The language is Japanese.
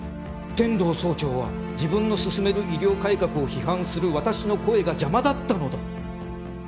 「天堂総長は自分の進める医療改革を批判する私の声が邪魔だったのだ」